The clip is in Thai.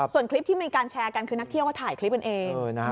ส่วนคลิปที่มีการแชร์กันคือนักเที่ยวเขาถ่ายคลิปกันเอง